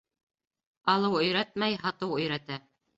Алыу өйрәтмәй, һатыу өйрәтә.